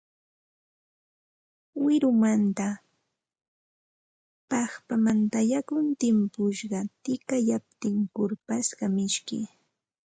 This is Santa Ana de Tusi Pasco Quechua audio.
Wirumanta, paqpamanta yakun timpusqa tikayaptin kurpasqa miski